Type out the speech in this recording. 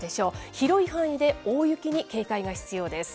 広い範囲で大雪に警戒が必要です。